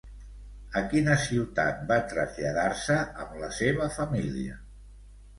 A quina ciutat va traslladar-se amb la seva família?